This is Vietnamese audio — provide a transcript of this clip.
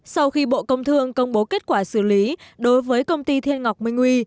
sau khi bộ công thương công bố kết quả xử lý đối với công ty thiên ngọc minh huy